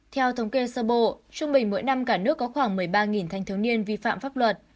theo thống kê sơ bộ trung bình mỗi năm cả nước có khoảng một mươi ba thanh thiếu niên vi phạm pháp luật